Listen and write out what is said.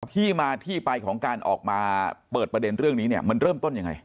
ที่มาที่ไปของการออกมาเปิดประเด็นเรื่องนี้เนี่ยมันเริ่มต้นยังไง